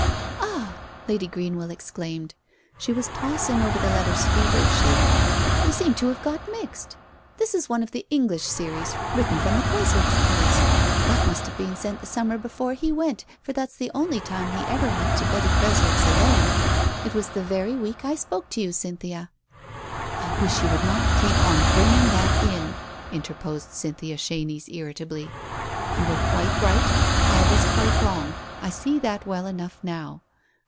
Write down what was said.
"Ah !" Lady Greenwell exclaimed. She was tossing over the letters feverishly. "They seem to have got mixed ! This is one of the English series — written from the Creswicks' place. That must have been sent the summer before he went, for that's the only time he ever went to Betty Creswick's alone. It was the very week I spoke to you, Cynthia." "I wish you would not keep on bringing that in," interposed Cynthia Chenies irritably, "you were quite right, and I was quite wrong, I see that well enough, now.